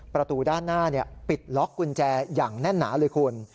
ประตูด้านหน้าปิดล็อกกุญแจอย่างแน่นหนาเลยคุณ